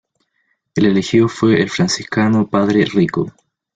El elegido fue el franciscano padre Rico.